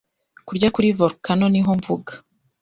Kurya kuri volcano niho mvuga